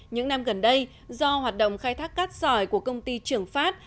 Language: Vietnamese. những năm gần đây do hoạt động khai thác cát sỏi của công ty trường phát